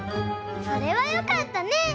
それはよかったね！